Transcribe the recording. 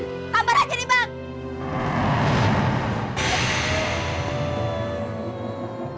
tampar aja nih bang